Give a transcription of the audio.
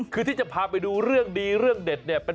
คือที่จะพาไปดูเรื่องดีเรื่องเด็ดเนี่ย